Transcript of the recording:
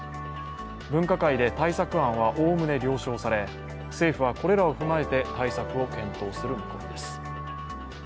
分科会で対策案はおおむね了承され、政府はこれらを踏まえて対策を検討する見込みです。